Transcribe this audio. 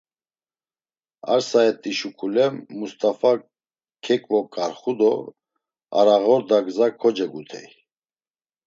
Ar saet̆i şuǩule Must̆afa keǩvoǩarxu do aroğorda gza kocegutey.